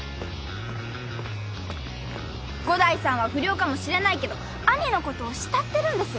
伍代さんは不良かもしれないけど兄のことを慕ってるんです。